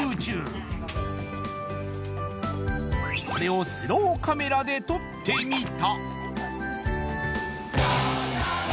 これをスローカメラで撮ってみた